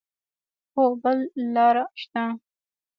هو، بل لار شته